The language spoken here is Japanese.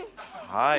はい。